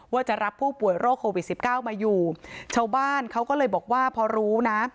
ว่าจะรับผู้ป่วยโรคโควิดสิบเก้ามาอยู่ชาวบ้านเขาก็เลยบอกว่าพอรู้นะ